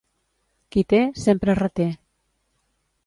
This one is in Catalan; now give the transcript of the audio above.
Qui té, sempre reté.